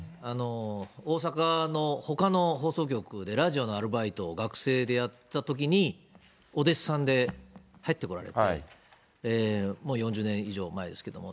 大阪のほかの放送局で、ラジオのアルバイトを学生でやってたときに、お弟子さんで入ってこられて、もう４０年以上前ですけども。